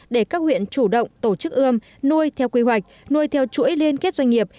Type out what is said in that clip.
để các huyện chủ động tổ chức ươm nuôi theo quy hoạch nuôi theo chuỗi liên kết doanh nghiệp